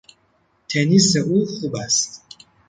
تنیس او خوب است.